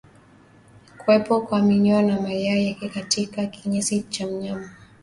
Kuwepo kwa minyoo na mayai yake katika kinyesi cha mnyama